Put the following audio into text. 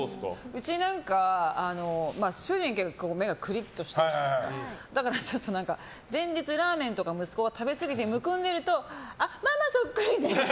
うち主人、結構目がクリっとしているんですけどだから、前日ラーメンとか息子が食べすぎてむくんでいるとママそっくりねって。